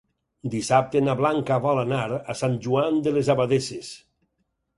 Dissabte na Blanca vol anar a Sant Joan de les Abadesses.